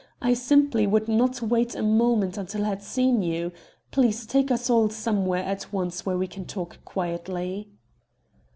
I simply would not wait a moment until I had seen you. Please take us all somewhere at once where we can talk quietly."